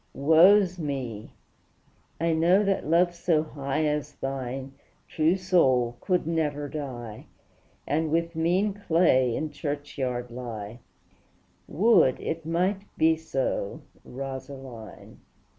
Woe's me! I know that love so high As thine, true soul, could never die, And with mean clay in churchyard lie, Would it might be so, Rosaline!